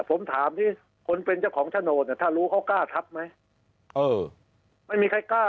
ผมถามที่คุณเป็นเจ้าของชะโนอะถ้ารู้เขากล้าทัพไหม